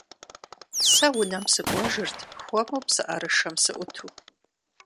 Сэ унэм сыкӀуэжырт хуэму псыӀэрышэм сыӀуту.